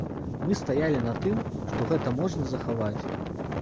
Мы стаялі на тым, што гэта можна захаваць.